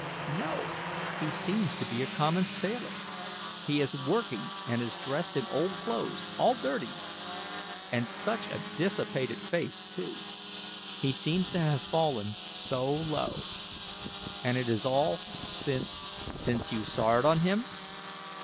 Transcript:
"No, he seems to be a common sailor; he is working, and is dressed in old clothes all dirty. And such a dissipated face, too. He seems to have fallen so low. And it is all since " "Since you soured on him?